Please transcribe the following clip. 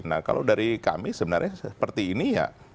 nah kalau dari kami sebenarnya seperti ini ya